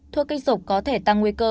thuốc kích dục có thể tăng nguy cơ